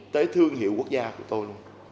tới thương hiệu quốc gia của tôi